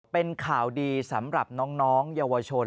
เป็นข่าวดีสำหรับน้องเยาวชน